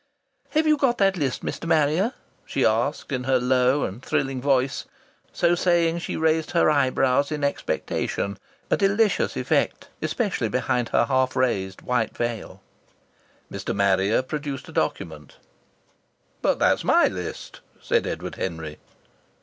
"Have you got that list, Mr. Harrier?" she asked, in her low and thrilling voice. So saying, she raised her eyebrows in expectation a delicious effect, especially behind her half raised white veil. Mr. Marrier produced a document. "But that's my list!" said Edward Henry.